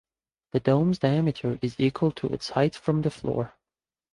The dome's diameter is equal to its height from the floor.